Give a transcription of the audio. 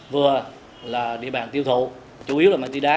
vừa là địa bàn tiêu thụ chủ yếu là ma túy đá